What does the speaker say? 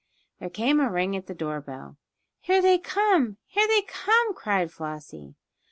There came a ring at the door bell. "Here they come! Here they come!" cried Flossie.